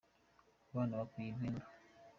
Abana mukwiye impundu.